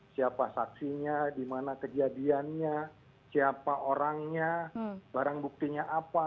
siapa saksinya dimana kejadiannya siapa orangnya barang buktinya apa